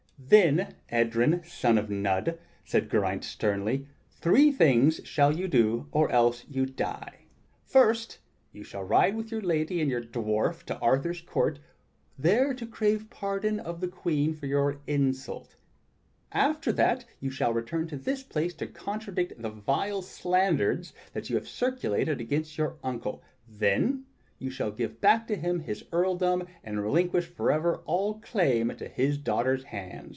"Then Edryn, son of Nudd," said Geraint sternly, "three things shall you do, or else you die. First you shall ride with your lady and your dwarf to Arthur's court there to crave pardon of the Queen for your insult; after that you shall return to this place to contradict the vile slanders that you have circulated against your uncle; then you shall give back to him his earldom and relinquish forever all claim to his daughter's hand."